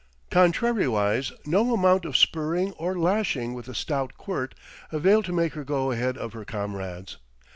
Contrariwise, no amount of spurring or lashing with a stout quirt availed to make her go ahead of her comrades.